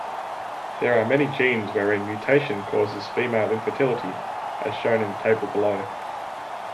There are many genes wherein mutation causes female infertility, as shown in table below.